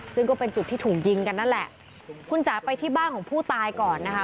ซึ่งก็เป็นจุดที่ถูกยิงกันนั่นแหละคุณจ๋าไปที่บ้านของผู้ตายก่อนนะคะ